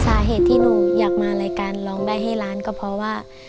สาเหตุที่หนูอยากมารายการร้องได้ให้ล้านก็เพราะว่า